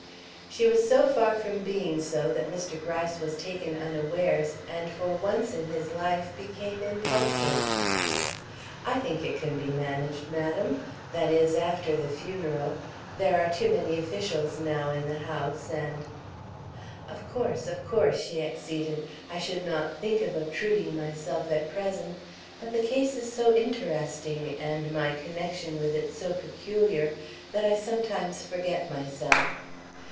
She was so far from being so that Mr. Gryce was taken unawares, and for once in his life became impulsive. "I think it can be managed, madam; that is, after the funeral. There are too many officials now in the house, and " "Of course, of course," she acceded. "I should not think of obtruding myself at present. But the case is so interesting, and my connection with it so peculiar, that I sometimes forget myself.